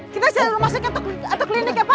kita jalan masuk ke ato klinik ya pak